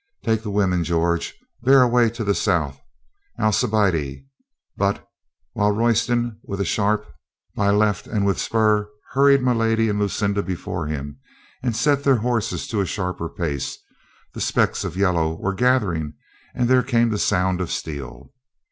"Take the women, George. Bear away to the south. Alcibiade!" But while Royston, with a sharp, "By the left and with spur!" hurried my lady and Lucinda before him, and set their horses to a sharper pace, the specks of yellow were gathering, and there came the sound of steel.